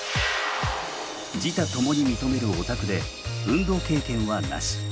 自他ともに認めるオタクで運動経験はなし。